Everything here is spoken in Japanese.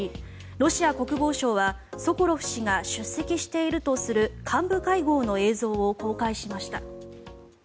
ロシア国防省はソコロフ氏が出席しているとする幹部会合の映像を公開しました。